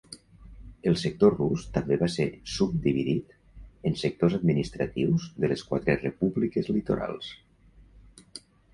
El sector rus també va ser subdividit en sectors administratius de les quatre repúbliques litorals.